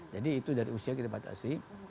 jadi itu dari usia kita batasi